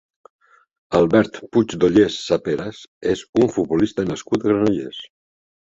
Albert Puigdollers Saperas és un futbolista nascut a Granollers.